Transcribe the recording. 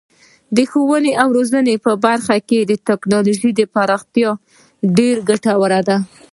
د ښوونې او روزنې په برخه کې د تکنالوژۍ پراختیا ډیره ګټوره ده.